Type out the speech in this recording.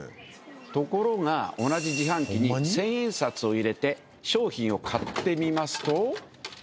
ところが同じ自販機に１０００円札を入れて商品を買ってみますと。